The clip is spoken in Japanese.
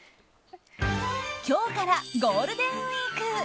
今日からゴールデンウィーク。